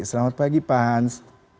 selamat pagi pak hans